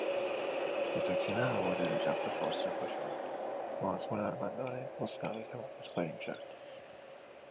A woman skilled in these matters is sent to the spot.